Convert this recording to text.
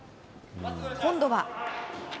今度は。